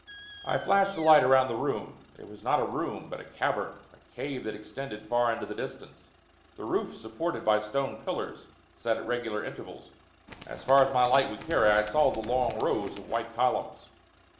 I flashed the light around the room. It was not a room but a cavern, a cave that extended far into the distance, the roof supported by stone pillars, set at regular intervals. As far as my light would carry I saw the long rows of white columns.